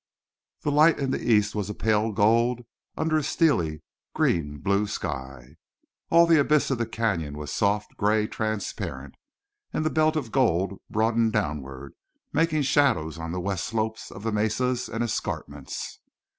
The light in the east was a pale gold under a steely green blue sky. All the abyss of the Canyon was soft, gray, transparent, and the belt of gold broadened downward, making shadows on the west slopes of the mesas and escarpments.